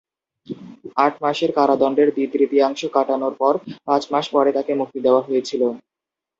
আট মাসের কারাদণ্ডের দ্বি-তৃতীয়াংশ কাটানোর পর পাঁচ মাস পরে তাকে মুক্তি দেওয়া হয়েছিল।